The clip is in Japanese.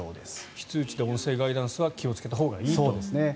非通知で音声ガイダンスは気をつけたほうがいいということですね。